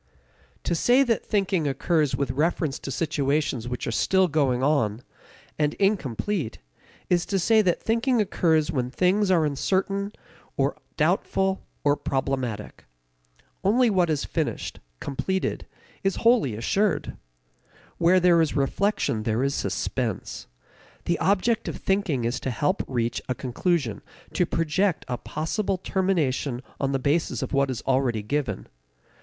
To say that thinking occurs with reference to situations which are still going on, and incomplete, is to say that thinking occurs when things are uncertain or doubtful or problematic. Only what is finished, completed, is wholly assured. Where there is reflection there is suspense. The object of thinking is to help reach a conclusion, to project a possible termination on the basis of what is already given.